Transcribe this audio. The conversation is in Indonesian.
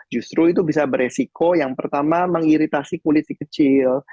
justru itu bisa beresiko yang pertama mengiritasi kulit si kecil